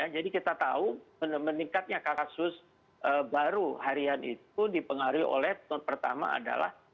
jadi kita tahu meningkatnya kasus baru harian itu dipengaruhi oleh pertama adalah